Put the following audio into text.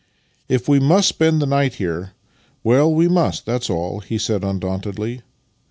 "If we must spend the night here, well, we must, that's all," he saia undauntedly.